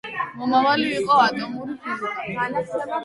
მომავალი იყო ატომური ფიზიკა.